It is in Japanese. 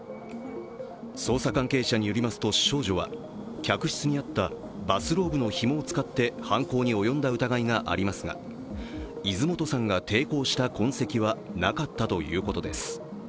捜査関係者によりますと少女は客室にあったバスローブのひもを使って犯行に及んだ疑いがありますが泉本さんが抵抗した痕跡はなかったということです。